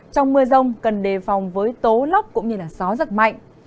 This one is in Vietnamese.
trong mưa rông cần đề phòng với tố lóc cũng như gió rất mạnh